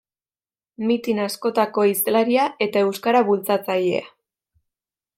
Mitin askotako hizlaria eta euskara bultzatzailea.